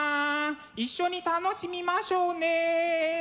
一緒に楽しみましょうね！